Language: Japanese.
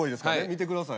見てください。